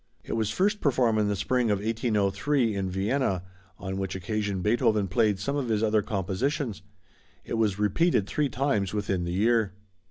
It was first performed in the spring of 1803, in Vienna, on which occasion Beethoven played some of his other compositions. It was repeated three times within the year.